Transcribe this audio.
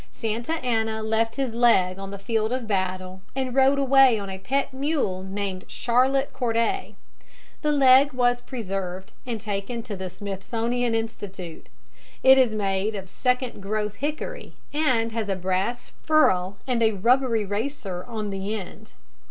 Santa Anna left his leg on the field of battle and rode away on a pet mule named Charlotte Corday. The leg was preserved and taken to the Smithsonian Institute. It is made of second growth hickory, and has a brass ferrule and a rubber eraser on the end.